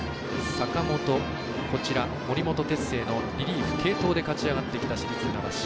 坂本、森本哲星のリリーフ継投で勝ち上がってきた市立船橋。